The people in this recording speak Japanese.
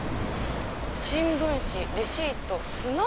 「新聞紙」「レシート」「砂」？